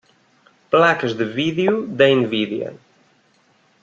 Placas de vídeo da Nvidia.